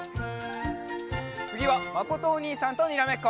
つぎはまことおにいさんとにらめっこ！